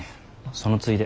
そのついで。